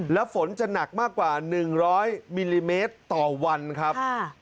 แล้วฝนจะหนักมากกว่า๑๐๐มิลลิเมตรต่อวันครับ